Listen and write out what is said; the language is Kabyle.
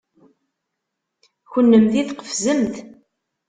Kennemti tqefzemt.